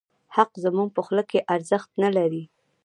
حق زموږ په خوله کې ارزښت نه لري.